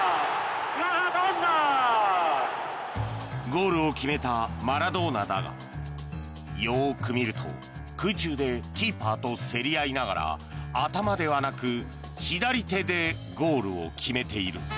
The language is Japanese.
ゴールを決めたマラドーナだがよーく見ると空中でキーパーと競り合いながら頭ではなく左手でゴールを決めている。